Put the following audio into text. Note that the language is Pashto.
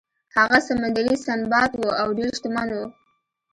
هغه سمندري سنباد و او ډیر شتمن و.